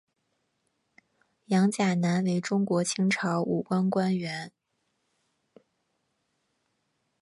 杨钾南为中国清朝武官官员。